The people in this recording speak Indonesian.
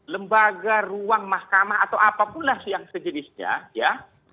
lembaga ruang mahkamah atau apapun lah yang sejenisnya ya